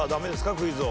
クイズ王。